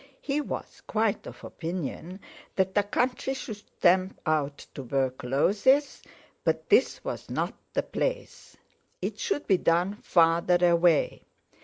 He was quite of opinion that the country should stamp out tuberculosis; but this was not the place. It should be done farther away.